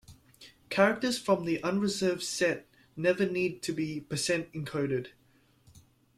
Characters from the unreserved set never need to be percent-encoded.